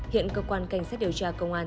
hiện cơ quan cảnh sát điều tra công an